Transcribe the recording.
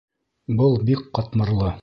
Был бик ҡатмарлы.